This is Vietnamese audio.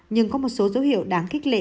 nhưng có một số dấu hiệu đáng kích lệ